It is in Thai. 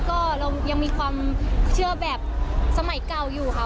ก็เรายังมีความเชื่อแบบสมัยเก่าอยู่ค่ะ